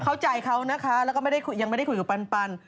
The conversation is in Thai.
เข้าใจเขานะคะแล้วก็ไม่ได้ยังไม่ได้คุยกับปัน